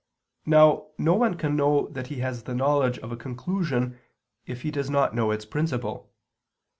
Now no one can know he has the knowledge of a conclusion if he does not know its principle.